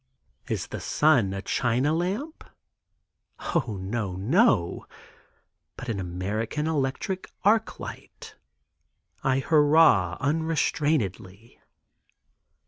Is the sun a China lamp? O, no, no; but an American electric arc light. I hurrah unrestrainedly!